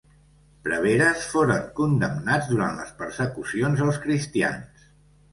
Preveres, foren condemnats durant les persecucions als cristians.